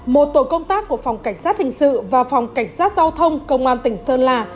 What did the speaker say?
một tổ công tác của phòng cảnh sát hình sự và phòng cảnh sát giao thông công an tỉnh sơn la